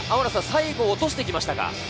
最後落としてきましたか。